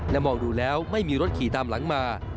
มองดูแล้วไม่มีรถขี่ตามหลังมา